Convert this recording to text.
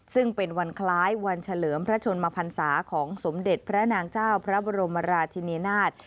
ซึ่งเป็นวันคล้ายวันเฉลิมพระชนมพันศาของสมเด็จพระนางเจ้าพระบรมราชินีนาฏ